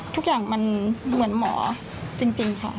ทุกอย่างมันเหมือนหมอจริงค่ะ